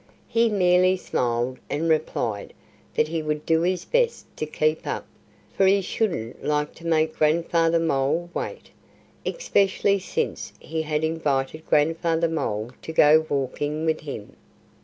He merely smiled and replied that he would do his best to keep up, for he shouldn't like to make Grandfather Mole wait, especially since he had invited Grandfather Mole to go walking with him.